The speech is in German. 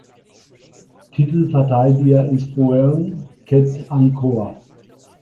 Titelverteidiger ist Boeung Ket Angkor.